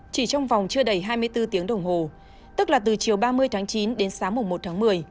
chỉ trong vòng chưa đầy hai mươi bốn tiếng đồng hồ tức là từ chiều ba mươi tháng chín đến sáng một tháng một mươi